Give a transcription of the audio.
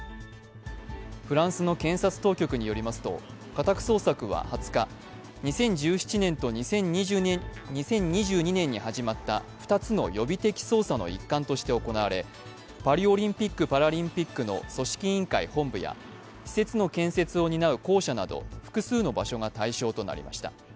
フランスの検察当局によりますと、家宅捜索は２０日、２０１７年と２０２２年に始まった２つの予備的捜査の一環として行われ、パリオリンピック・パラリンピックの組織委員会本部や、施設の建設を担う公社など複数の場所が対象となりました。